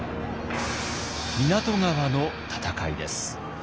湊川の戦いです。